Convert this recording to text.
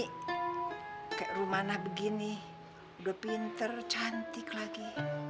kayak rumah begini udah pinter cantik lagi